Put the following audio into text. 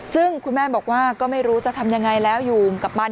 ซึ่งคุณแม่บอกว่าก็ไม่รู้จะทำยังไงแล้วอยู่กับมัน